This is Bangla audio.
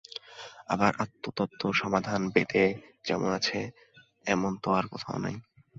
আবার আত্মতত্ত্ব-সমাধান বেদে যেমন আছে, এমন তো আর কোথাও নাই।